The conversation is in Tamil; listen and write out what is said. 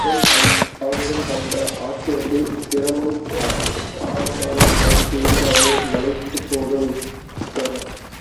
அவனிடம் கண்ட ஆராய்ச்சித் திறமும் ஆழமான பயிற்சியும் அவளை மலைத்துப் போகச் செய்திருந்தன.